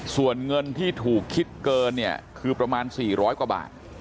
ส่วนเงินที่ถูกคิดเกินเนี่ยคือประมาณ๔๐๐กว่าบาท